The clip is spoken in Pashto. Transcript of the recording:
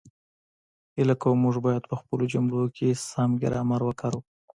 هیله کووم، موږ باید په خپلو جملو کې سم ګرامر وکاروو